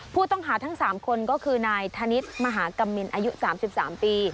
ผู้ต้องหาทั้ง๓คนก็คือนายธนิษฐ์มหากำมินอายุ๓๓ปี